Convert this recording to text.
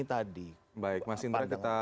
tadi baik mas indra kita